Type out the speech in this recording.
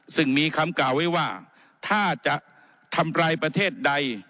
ซึ่งมีคำกล่าวไว้ว่าถ้าจะทำรายประเทศใด